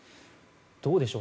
どうでしょう。